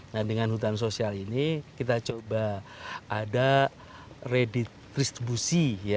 nah dengan hutan sosial ini kita coba ada redistribusi